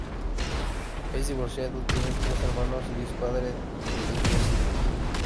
Es divorciado, tiene tres hermanos y es padre de tres hijos.